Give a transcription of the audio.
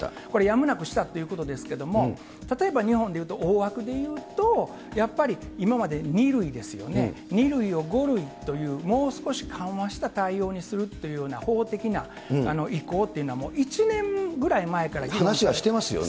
これ、やむなくしたということですけれども、例えば日本でいうと、大枠で言うと、やっぱり今まで２類ですよね、２類を５類という、もう少し緩和した対応にするというような、法的な意向というのは、１年ぐらい前からいってます。